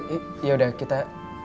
eh yaudah kita